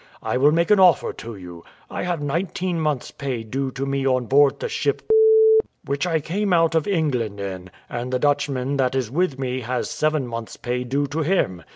I will make an offer to you: I have nineteen months' pay due to me on board the ship , which I came out of England in; and the Dutchman that is with me has seven months' pay due to him.